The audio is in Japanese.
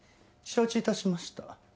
承知致しました。